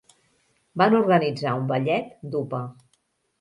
Van organitzar un ballet d'upa.